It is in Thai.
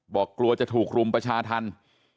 บอกกลัวจะถูกรุมประชาธินธรรม